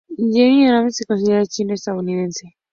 Jerry Yang se considera chino estadounidense.